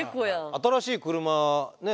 新しい車ねえ